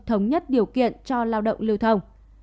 thống nhất điều kiện cho lao động lưu thông